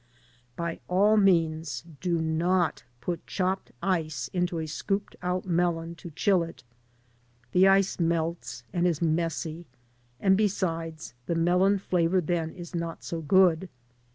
By' all means, do NOT put chopped ice into a scooped out melon to chill it. The ice melts and is messy, and besides, the melon flavor then is not so good.